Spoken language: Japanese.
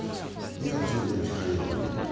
２月１５日、火曜日。